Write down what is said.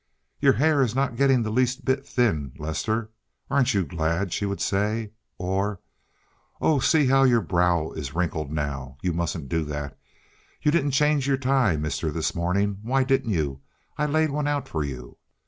"Your hair is not getting the least bit thin, Lester; aren't you glad?" she would say; or, "Oh, see how your brow is wrinkled now. You mustn't do that. You didn't change your tie, mister, this morning. Why didn't you? I laid one out for you."